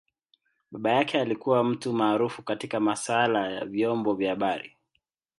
Baba yake alikua mtu maarufu katika masaala ya vyombo vya habari.